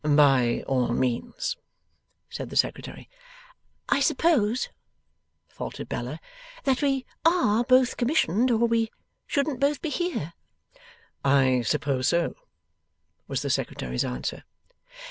'By all means,' said the Secretary. 'I suppose,' faltered Bella, 'that we ARE both commissioned, or we shouldn't both be here?' 'I suppose so,' was the Secretary's answer.